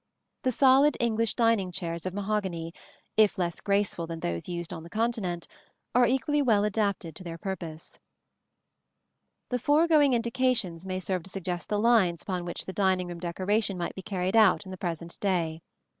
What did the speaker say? The solid English dining chairs of mahogany, if less graceful than those used on the Continent, are equally well adapted to their purpose. The foregoing indications may serve to suggest the lines upon which dining room decoration might be carried out in the present day.